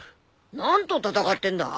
何と戦ってんだ？